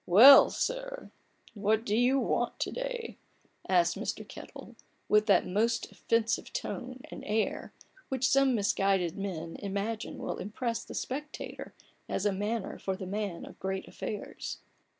" Well, sir, what do you want to day ?" asked Mr. Kettel, with that most offensive tone and air which some misguided men imagine will impress the spectator as a manner for the man of great affairs.